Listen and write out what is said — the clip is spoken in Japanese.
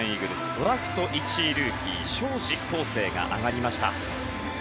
ドラフト１位ルーキー荘司康誠が上がりました。